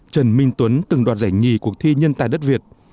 trần minh tuấn từng đoạt giải nhì cuộc thi nhân tài đất việt